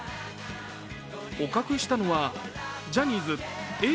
捕獲したのはジャニーズ、Ａぇ！